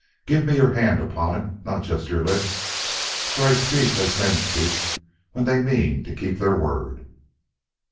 Give me your hand upon it not just your lips for I speak as men speak when they mean to keep their word."